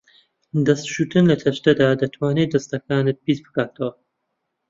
دەست شوشتن لە تەشتدا دەتوانێت دەستەکان پیسبکاتەوە.